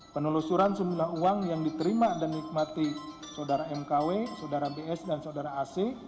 penelusuran sejumlah uang yang diterima dan nikmati saudara mkw saudara bs dan saudara ac